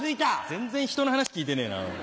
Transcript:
全然ひとの話聞いてねえな。